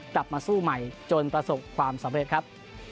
กลับมาสู้ใหม่จนประสบความสำเร็จครับ